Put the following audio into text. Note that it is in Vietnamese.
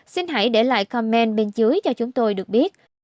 xin hãy để lại commen bên dưới cho chúng tôi được biết